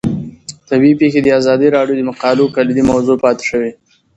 طبیعي پېښې د ازادي راډیو د مقالو کلیدي موضوع پاتې شوی.